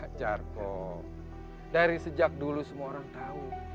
pak jargo dari sejak dulu semua orang tahu